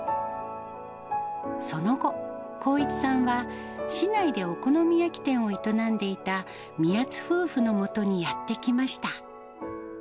その後、航一さんは、市内でお好み焼き店を営んでいた宮津夫婦のもとにやって来ました。